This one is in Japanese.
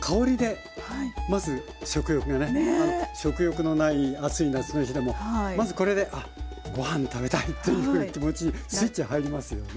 食欲のない暑い夏の日でもまずこれであっごはん食べたいっていうふうな気持ちにスイッチ入りますよね。